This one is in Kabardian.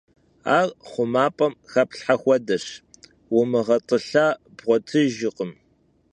Ar xhumap'em xeplhhe xuedeş ,- vumığet'ılha bğuetıjjkhım.